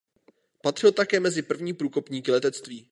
Patřil také mezi první průkopníky letectví.